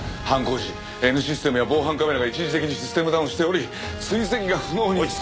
犯行時Ｎシステムや防犯カメラが一時的にシステムダウンしており追跡が不能に。